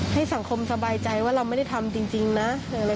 ให้สังคมสบายใจว่าเราไม่ได้ทำจริงนะ